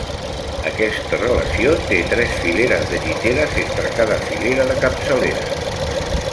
Aquesta relació té tres fileres de lliteres entre cada filera de capçaleres.